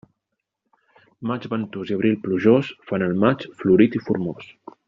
Març ventós i abril plujós fan el maig florit i formós.